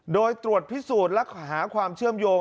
โดยตรวจพิสูจน์และหาความเชื่อมโยง